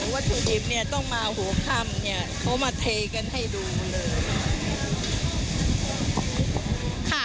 วัตถุดิบต้องมาหัวค่ำเขามาเทกันให้ดูเลย